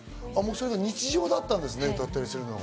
日常だったんですね、歌ったりするのが。